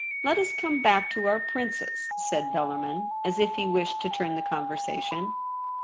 * Let us come back to our Princess,' said Bellarmin, as if he wished to turn the con versation.